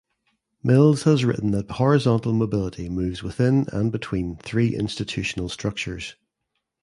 Mills has written that horizontal mobility moves within and between three institutional structures.